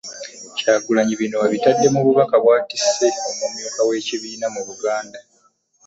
Kyagulanyi bino abitadde mu bubaka bw'atisse omumyuka w'ekibiina mu Buganda